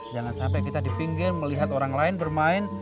jangan sampai kita di pinggir melihat orang lain bermain